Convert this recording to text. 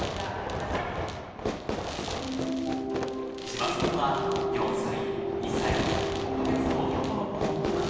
千葉さんは４歳２歳５か月の男の子のママ。